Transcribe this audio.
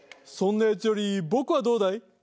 そんなやつより僕はどうだい？